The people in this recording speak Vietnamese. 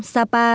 sapa và hà nội